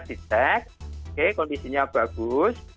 di cek kondisinya bagus